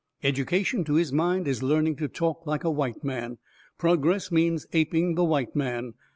Education, to his mind, is learning to talk like a white man. Progress means aping the white man.